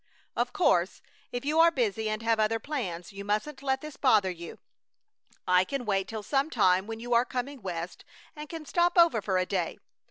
Of course, if you are busy and have other plans you mustn't let this bother you. I can wait till some time when you are coming West and can stop over for a day.